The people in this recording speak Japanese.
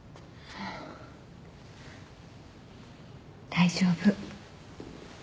大丈夫。